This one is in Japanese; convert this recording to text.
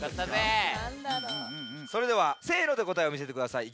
それでは「せの」でこたえをみせてください。